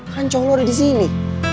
kan cowok lo ada disini